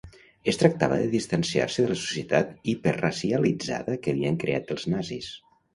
Es tractava de distanciar-se de la societat hiperracialitzada que havien creat els nazis.